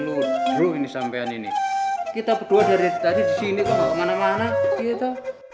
luduh ini sampean ini kita berdua dari tadi di sini ke mana mana gitu